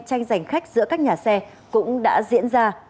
tranh giành khách giữa các nhà xe cũng đã diễn ra